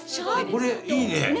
これいいね！